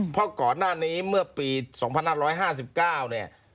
เพราะก่อนหน้านี้เมื่อปี๒๕๕๙เนี่ย